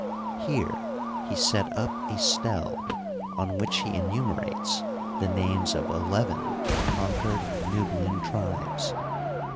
Here he set up a stele, on which he enumerates the names of eleven conquered Nubian tribes.